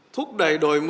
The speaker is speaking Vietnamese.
thúc đẩy đổi mới